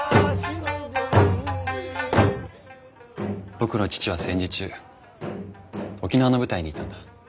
僕の父は戦時中沖縄の部隊にいたんだ。